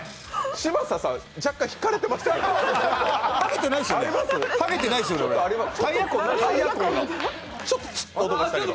嶋佐さん、若干、ひかれてましたけど。